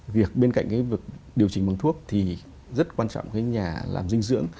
việc bên cạnh cái việc điều chỉnh bằng thuốc thì rất quan trọng cái nhà làm dinh dưỡng